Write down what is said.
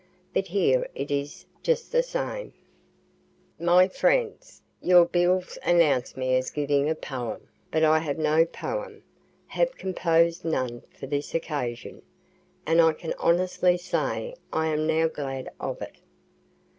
But here it is just the same: "My friends, your bills announce me as giving a poem; but I have no poem have composed none for this occasion. And I can honestly say I am now glad of it.